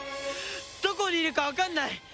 どこにいるかわかんない！